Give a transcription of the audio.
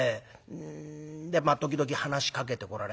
でまあ時々話しかけてこられまして。